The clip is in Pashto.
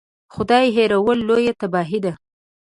خدای هېرول لویه تباهي ده.